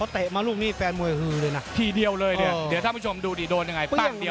ทีเดียวเลยเดี๋ยวท่านผู้ชมดูเดี๋ยวว่าเงินยังไง